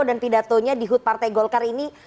dan pidatonya dihut partai golkar ini